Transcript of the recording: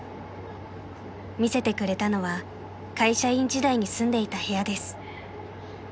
［見せてくれたのは会社員時代に住んでいた部屋です］